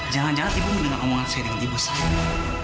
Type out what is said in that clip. jangan jangan ibu mendengar omongan saya dengan ibu sayang